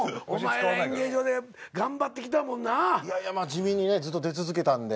地味にずっと出続けたんで。